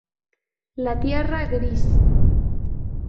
La tierra gris.